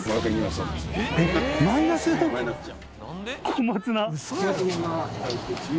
小松菜が。